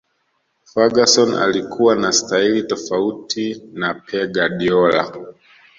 ferguson alikuwa na staili tofauti na Pe Guardiola